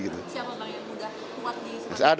siapa yang mudah kuat di